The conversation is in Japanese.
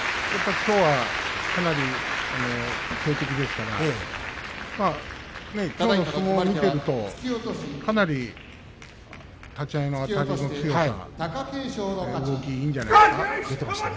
きょうはかなり強敵ですからきょうの相撲を見ているとかなり立ち合いのあたりの強さ動き、いいんじゃないですか。